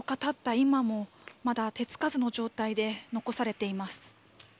今もまた手付かずの状態で残されています。